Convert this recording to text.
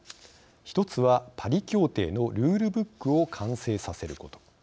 １つは、パリ協定のルールブックを完成させること。